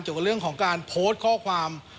กับเรื่องของการโพสต์ข้อความ